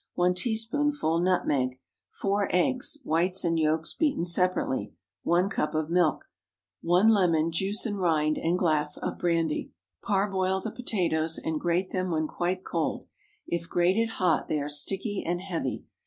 1 teaspoonful nutmeg. 4 eggs—whites and yolks beaten separately. 1 cup of milk. 1 lemon, juice and rind, and glass of brandy. Parboil the potatoes, and grate them when quite cold. If grated hot, they are sticky and heavy.